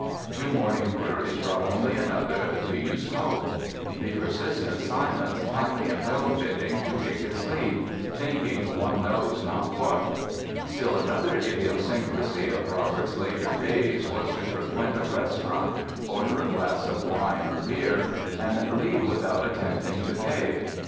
Two more inquiries brought only another "Do you smoke?" The persistent silence finally impelled Witting to take his leave, thinking one knows not what. Still another idiosyncrasy of Robert's later days was to frequent a restaurant, order a glass of wine or beer and leave without attempting to pay.